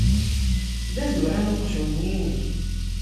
D azuran uqjun-nni-inek.